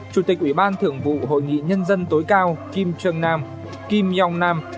chủ tịch ủy ban thưởng vụ hội nghị nhân dân tối cao kim jong nam kim yong nam